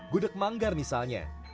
gudek manggar misalnya